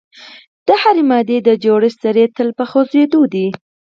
د هرې مادې د جوړښت ذرې تل په خوځیدو دي.